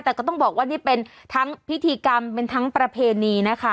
แต่ก็ต้องบอกว่านี่เป็นทั้งพิธีกรรมเป็นทั้งประเพณีนะคะ